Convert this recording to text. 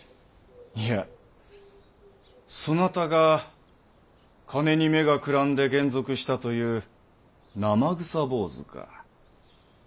いやそなたが金に目がくらんで還俗したという生臭坊主か。